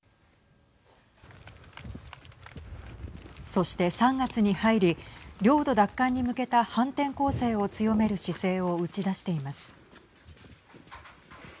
そして、３月に入り領土奪還に向けた反転攻勢を強める姿勢を打ち出しています。